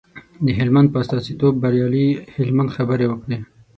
د هلمند په استازیتوب بریالي هلمند خبرې وکړې.